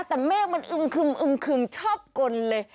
แต่เมฆมันอึมคึมคึมชอบกลเลย